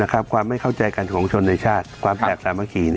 ความไม่เข้าใจกันของชนในชาติความแบบสามัคคี